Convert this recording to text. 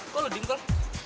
kok lo dingin tuh